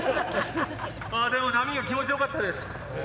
でも波が気持ちよかったです。